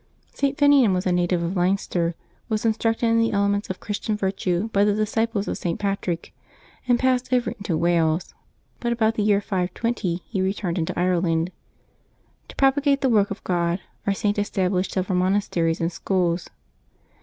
St. Finian was a native of Leinster, was instructed in the elements of Christian virtue by the disciples of St. Patrick, and passed over into Wales; but about the year 520 he returned into Ireland. To propagate the work of God, our Saint established several monasteries and schools.